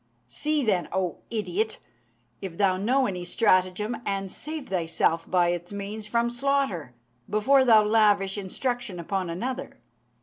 See, then, O idiot! if thou know any stratagem, and save thyself by its means from slaughter, before thou lavish instruction upon another.